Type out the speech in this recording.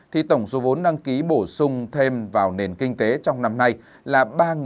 thì tổng số vốn đăng ký bổ sung thêm vào nền kinh tế trong năm nay là ba tám trăm tám mươi sáu